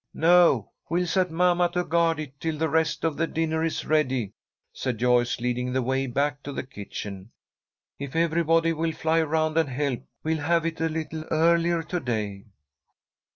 "No, we'll set mamma to guard it till the rest of the dinner is ready," said Joyce, leading the way back to the kitchen. "If everybody will fly around and help, we'll have it a little earlier to day."